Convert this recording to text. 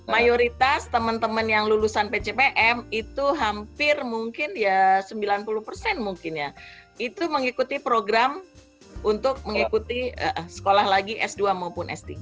mayoritas teman teman yang lulusan pcpm itu hampir mungkin ya sembilan puluh persen mungkin ya itu mengikuti program untuk mengikuti sekolah lagi s dua maupun s tiga